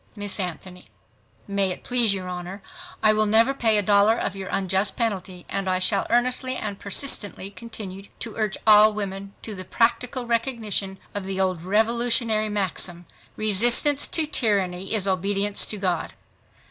Miss ANTHONY—May it please your Honor, I will never pay a dollar of your unjust penalty .... And I shall earnestly and persistently continue to urge all women to the practical recognition of the old Revolutionary maxim, "Resistance to tyranny is obedience to God."